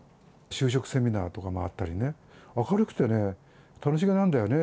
就職セミナーとかもあったりね、明るくてね、楽しげなんだよね。